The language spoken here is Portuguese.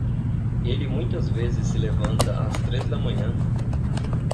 Ele muitas vezes se levanta às três da manhã